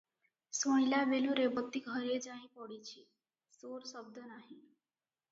ଶୁଣିଲା ବେଳୁ ରେବତୀ ଘରେ ଯାଇ ପଡ଼ିଛି, ସୋର ଶବ୍ଦ ନାହିଁ ।